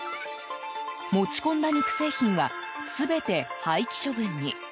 持ち込んだ肉製品は全て廃棄処分に。